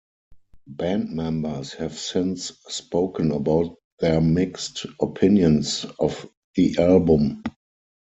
Band members have since spoken about their mixed opinions of the album.